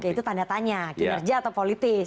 itu tanda tanya kinerja atau politis